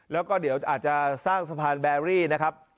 แล้วก็เดี๋ยวอาจจะสร้างสะพานแบรี่นะครับ